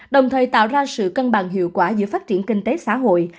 đồng thời tạo ra sự cân bằng hiệu quả giữa phát triển kinh tế xã hội